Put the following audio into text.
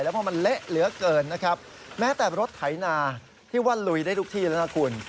เพราะมันเละเหลือเกินนะครับแม้แต่รถไถนาที่ว่าลุยได้ทุกที่แล้วนะคุณ